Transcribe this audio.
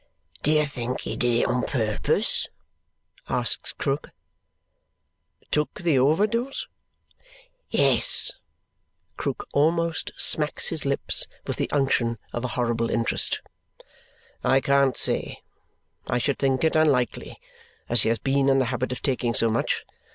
"Do you think he did it on purpose?" asks Krook. "Took the over dose?" "Yes!" Krook almost smacks his lips with the unction of a horrible interest. "I can't say. I should think it unlikely, as he has been in the habit of taking so much.